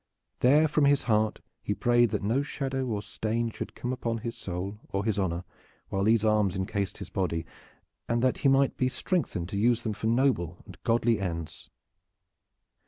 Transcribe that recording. There from his heart he prayed that no shadow or stain should come upon his soul or his honor whilst these arms incased his body, and that he might be strengthened to use them for noble and godly ends.